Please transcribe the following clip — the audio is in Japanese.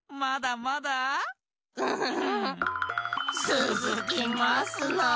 つづきますなあ！